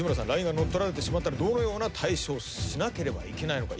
ＬＩＮＥが乗っ取られてしまったらどのような対処をしなければいけないのか？